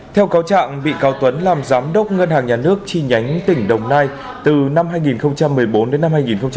theo cáo trạng bị cáo tuấn làm giám đốc ngân hàng nhà nước chi nhánh tỉnh đồng nai từ năm hai nghìn một mươi bốn đến năm hai nghìn một mươi bảy